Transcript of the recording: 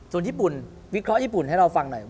ส่วนญี่ปุ่นวิเคราะห์ญี่ปุ่นให้เราฟังหน่อย